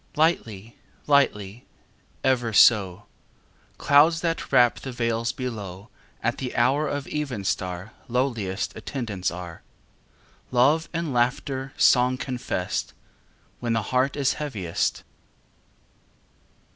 Lightly, lightly ever so: Clouds that wrap the vales below At the hour of evenstar Lowliest attendants are; Love and laughter song confessed When the heart is heaviest.